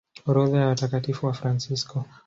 Orodha ya Watakatifu Wafransisko